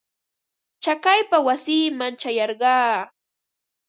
Chakaypa wasiiman ćhayarqaa.